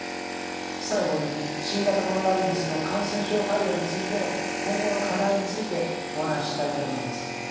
最後に新型コロナウイルスの感染症対応についての今後の課題についてお話ししたいと思います。